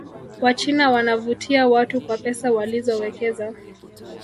wachina wanavutia watu kwa pesa walizowekeza